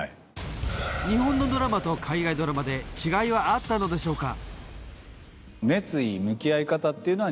日本のドラマと海外ドラマで違いはあったのでしょうか？